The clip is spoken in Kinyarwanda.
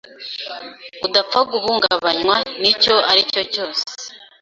udapfa guhungabanywa n’icyo ari cyo cyose